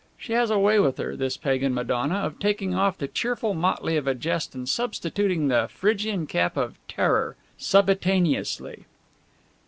She has a way with her, this Pagan Madonna, of taking off the cheerful motley of a jest and substituting the Phrygian cap of terror, subitaneously.